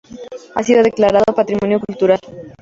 Ha sido declarada patrimonio cultural.